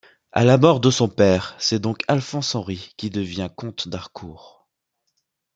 À la mort de son père, c'est donc Alphonse-Henri qui devient comte d'Harcourt.